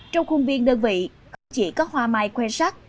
trong khuôn viên đơn vị không chỉ có hoa mai khoe sắc